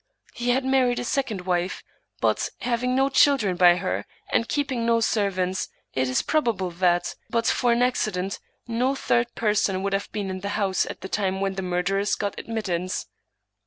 He had married a second wife, but, having no chil dren by her, and keeping no servants, it is probable that, but for an accident, no third person would have been in the house at the time when the murderers got admittance.